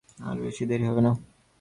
আর বেশি দেরি হবে না।